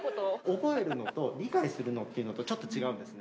覚えるのと、理解するのって、ちょっと違うんですね。